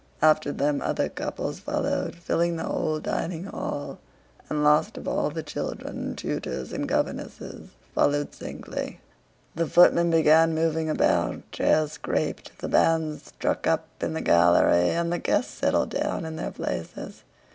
After them other couples followed, filling the whole dining hall, and last of all the children, tutors, and governesses followed singly. The footmen began moving about, chairs scraped, the band struck up in the gallery, and the guests settled down in their places.